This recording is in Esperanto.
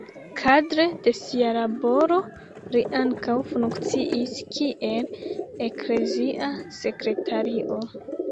Kadre de sia laboro li ankaŭ funkciis kiel eklezia sekretario.